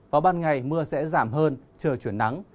vào ban ngày mưa sẽ giảm hơn trời chuyển nắng